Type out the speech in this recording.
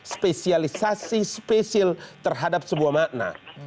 spesialisasi spesial terhadap sebuah makna